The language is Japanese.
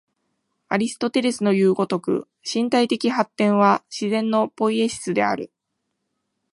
アリストテレスのいう如く、身体的発展は自然のポイエシスである。